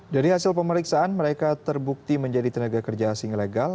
dari hasil pemeriksaan mereka terbukti menjadi tenaga kerja asing legal